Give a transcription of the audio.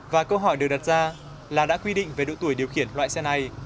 và câu hỏi được đặt ra là đã quy định về độ tuổi điều khiển loại xe này